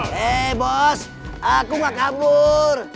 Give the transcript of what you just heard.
hei bos aku gak kabur